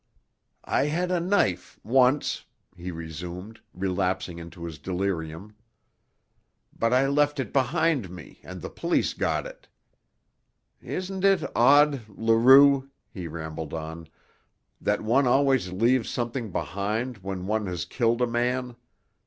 "I had a knife once," he resumed, relapsing into his delirium; "but I left it behind me and the police got it. Isn't it odd, Leroux," he rambled on, "that one always leaves something behind when one has killed a man?